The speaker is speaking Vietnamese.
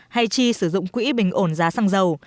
hay chi sử dụng quỹ bình ổn giá xăng dầu